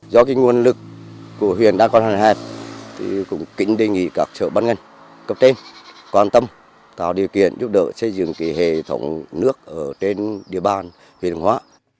do nguồn lực của huyện đang còn hàn hạt cũng kính đề nghị các chợ bán ngân cập tên quan tâm tạo điều kiện giúp đỡ xây dựng hệ thống nước ở trên địa bàn huyện hướng hóa